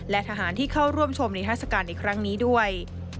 และทหารที่เข้าร่วมชมนิทัศกาลในครั้งนี้ด้วย